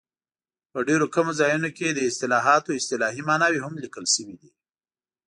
په ډېرو کمو ځایونو کې د اصطلاحاتو اصطلاحي ماناوې هم لیکل شوي دي.